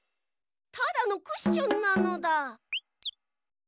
ただのクッションなのだ。